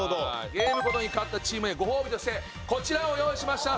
ゲームごとに勝ったチームへご褒美としてこちらを用意しました。